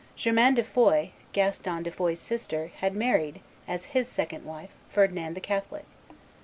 [Germaine de Foix, Gaston de Foix's sister, had married, as his second wife, Ferdinand the Catholic.